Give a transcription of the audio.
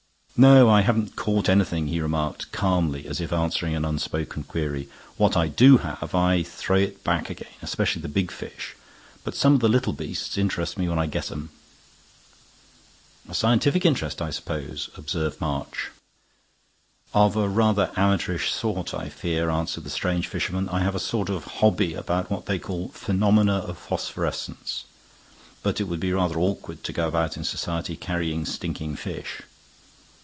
"No, I haven't caught anything," he remarked, calmly, as if answering an unspoken query. "When I do I have to throw it back again; especially the big fish. But some of the little beasts interest me when I get 'em." "A scientific interest, I suppose?" observed March. "Of a rather amateurish sort, I fear," answered the strange fisherman. "I have a sort of hobby about what they call 'phenomena of phosphorescence.' But it would be rather awkward to go about in society carrying stinking fish."